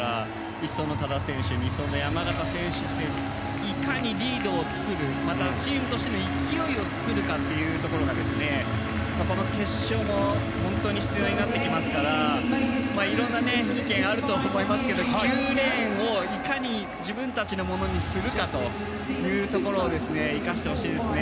１走の多田選手２走の山縣選手といういかにリードを作るまた、チームとしての勢いを作るかというところが決勝に本当に必要になってきますからいろんな意見があると思いますけど９レーンをいかに自分たちのものにするかというところを生かしてほしいですね。